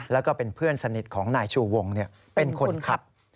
แล้วก็เป็นเพื่อนสนิทของนายชูวงเป็นคนขับ